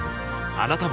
あなたも